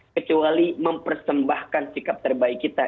kecuali mempersembahkan sikap terbaik kita